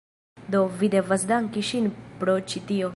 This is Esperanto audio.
Do, vi devas danki ŝin pro ĉi tio